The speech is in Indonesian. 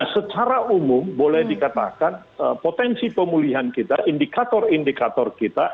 secara umum boleh dikatakan potensi pemulihan kita indikator indikator kita